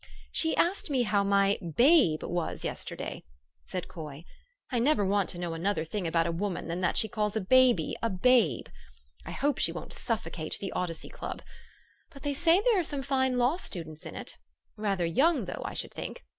" She asked me how my babe was yesterday," said Coy. "I never want to know another thing about a woman than that she calls a baby a babe. I hope she won't suffocate the Odyssey Club. But they say there are some fine law students in it rather young, though, I should think.